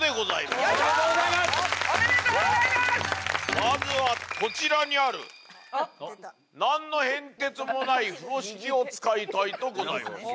まずはこちらにある何の変哲もない風呂敷を使いたいとございます。